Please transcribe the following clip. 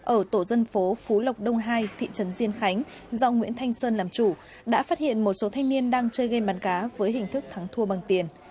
ở tổ dân phố phú lộc đông hai thị trấn diên khánh do nguyễn thanh sơn làm chủ đã phát hiện một số thanh niên đang chơi game bắn cá với hình thức thắng thua bằng tiền